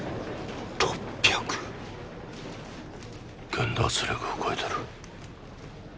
限度圧力を超えてる。